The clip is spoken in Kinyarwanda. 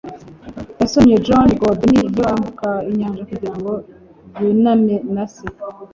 Yasomye Jonny goodnight yambuka inyanja kugirango yuname na se.